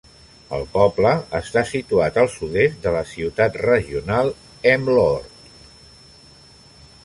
El poble està situat al sud-est de la ciutat regional Emmeloord.